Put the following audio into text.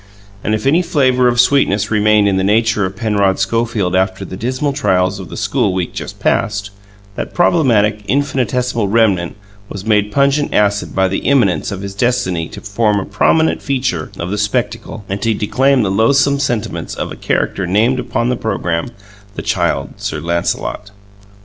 And if any flavour of sweetness remained in the nature of Penrod Schofield after the dismal trials of the school week just past, that problematic, infinitesimal remnant was made pungent acid by the imminence of his destiny to form a prominent feature of the spectacle, and to declaim the loathsome sentiments of a character named upon the programme the Child Sir Lancelot.